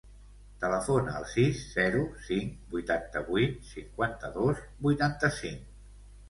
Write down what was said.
Telefona al sis, zero, cinc, vuitanta-vuit, cinquanta-dos, vuitanta-cinc.